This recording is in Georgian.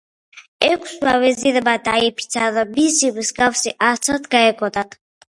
ექვსმა ვეზირმა დაიფიცა, რომ მისი მსგავსი არსად გაეგონათ.